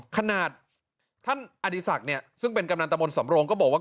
ขนาดท่านอดีศักดิ์เนี่ยซึ่งเป็นกำนันตะมนต์สำโรงก็บอกว่า